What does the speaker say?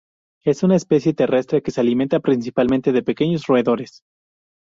Es una especie terrestre que se alimenta principalmente de pequeños roedores.